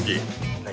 はい。